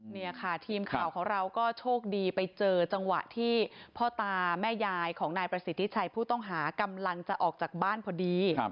นี่ค่ะทีมข่าวของเราก็โชคดีไปเจอจังหวะที่พ่อตาแม่ยายของนายประสิทธิชัยผู้ต้องหากำลังจะออกจากบ้านพอดี